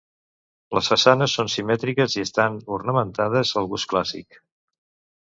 Les façanes són simètriques i estan ornamentades al gust clàssic.